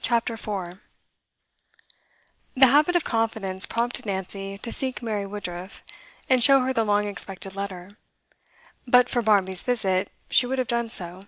CHAPTER 4 The habit of confidence prompted Nancy to seek Mary Woodruff, and show her the long expected letter. But for Barmby's visit she would have done so.